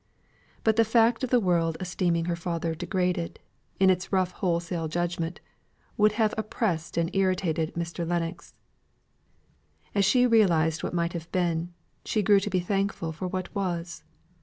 But the fact of the world esteeming her father degraded, in its rough wholesale judgment, would have oppressed and irritated Mr. Lennox. As she realised what might have been, she grew to be thankful for what was.